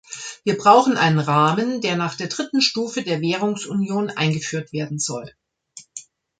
Wir brauchen einen Rahmen, der nach der dritten Stufe der Währungsunion eingeführt werden soll.